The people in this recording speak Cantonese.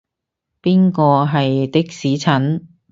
邊個係的士陳？